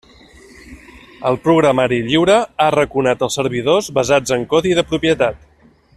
El programari lliure ha arraconat els servidors basats en codi de propietat.